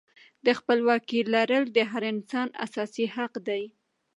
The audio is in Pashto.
د خپلواکۍ لرل د هر انسان اساسي حق دی.